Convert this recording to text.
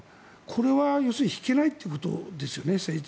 これは要するに政治的に引けないってことですよね。